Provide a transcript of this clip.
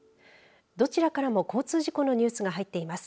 どちらからも交通事故のニュースが入っています。